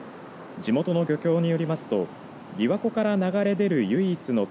地元の漁協によりますとびわ湖から流れ出る唯一の川